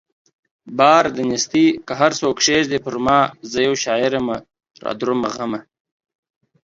بار د نيستۍ که هر څو کښېږدې پرما زه يو شاعر يمه رادرومه غمه